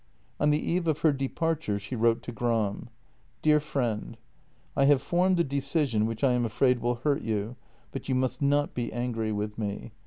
On the eve of her departure she wrote to Gram: " Dear Friend, — I have formed a decision which I am afraid will hurt you, but you must not be angry with me.